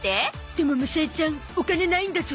でもむさえちゃんお金ないんだゾ